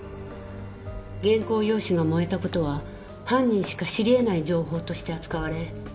原稿用紙が燃えた事は犯人しか知り得ない情報として扱われ。